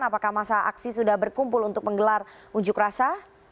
apakah masa aksi sudah berkumpul untuk menggelar unjuk rasa